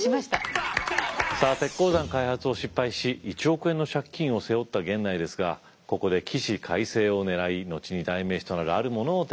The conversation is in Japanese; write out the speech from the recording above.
さあ鉄鉱山開発を失敗し１億円の借金を背負った源内ですがここで起死回生を狙い後に代名詞となるあるものを手がけます。